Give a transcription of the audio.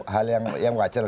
hal yang wajar